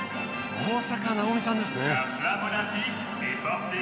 大坂なおみさんですね。